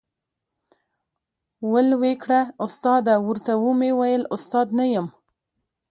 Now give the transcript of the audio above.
ول وې کړه ، استاده ، ورته ومي ویل استاد نه یم ،